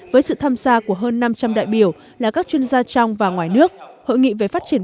với sự tham gia của hơn năm trăm linh đại biểu là các chuyên gia trong và ngoài nước hội nghị về phát triển